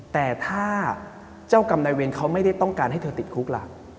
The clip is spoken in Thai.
แต่ถ้าเจ้ากรรมนายเวรเขาไม่ได้ต้องการให้เธอติดคุกล่ะ